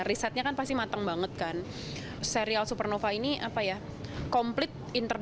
risetnya kan pasti matang banget kan serial supernova ini komplit interdisional